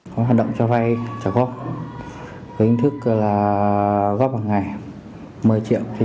có hành động cho vay trả góp có hình thức là góp một ngày một mươi triệu